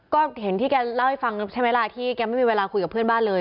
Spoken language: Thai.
ก็เห็นที่แกเล่าให้ฟังใช่ไหมล่ะที่แกไม่มีเวลาคุยกับเพื่อนบ้านเลย